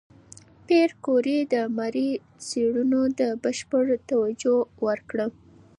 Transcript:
پېیر کوري د ماري څېړنو ته بشپړ توجه ورکړه.